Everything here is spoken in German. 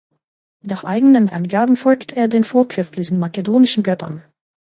Nach eigenen Angaben folgt er den vorchristlichen makedonischen Göttern.